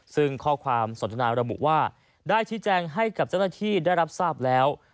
ซึ่งข้อความสนทนาระบุว่าได้ชี้แจงให้กับเจ้าหน้าที่ได้รับทราบแล้ว